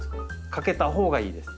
かけたほうがいいです。